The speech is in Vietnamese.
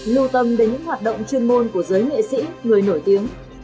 lưu tâm đến những hoạt động chuyên môn của giới nghệ sĩ người nổi tiếng